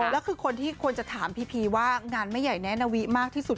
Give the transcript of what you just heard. ก็คือคนที่ควรจะทำว่างานไม่ใหญ่แนะนระวิมากที่สุด